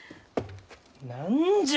何じゃ！？